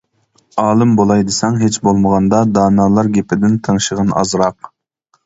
ئالىم بولاي دېسەڭ ھېچ بولمىغاندا، دانالار گېپىدىن تىڭشىغىن ئازراق.